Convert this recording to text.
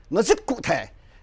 nó rất cụ thể